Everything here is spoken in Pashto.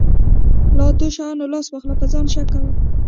له اتو شیانو لاس واخله په ځان شک کول.